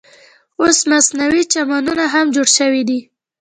اوس مصنوعي چمنونه هم جوړ شوي دي.